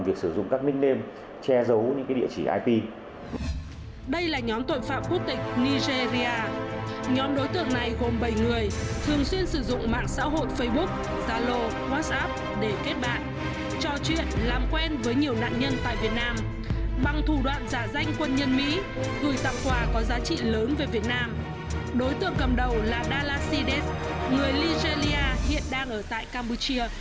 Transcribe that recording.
đối tượng cầm đầu là dalasi des người nigeria hiện đang ở tại campuchia